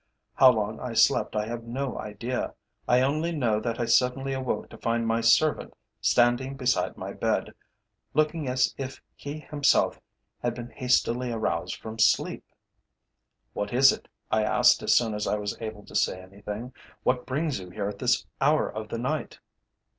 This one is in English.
How long I slept I have no idea, I only know that I suddenly awoke to find my servant standing beside my bed, looking as if he himself had been hastily aroused from sleep. "'What is it?' I asked as soon as I was able to say anything. 'What brings you here at this hour of the night?'